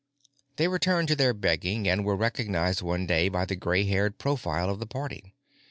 They returned to their begging and were recognized one day by the gray haired profile of the party.